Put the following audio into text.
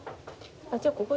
ああ。